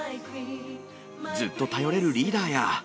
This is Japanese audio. ずっと頼れるリーダーやぁー！